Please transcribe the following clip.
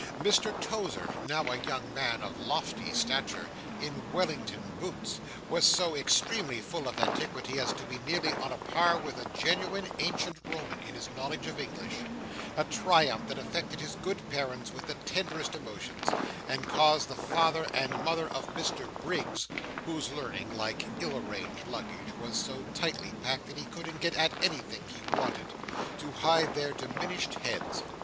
Mr Tozer, now a young man of lofty stature, in Wellington boots, was so extremely full of antiquity as to be nearly on a par with a genuine ancient Roman in his knowledge of English: a triumph that affected his good parents with the tenderest emotions, and caused the father and mother of Mr Briggs (whose learning, like ill arranged luggage, was so tightly packed that he couldn't get at anything he wanted) to hide their diminished heads.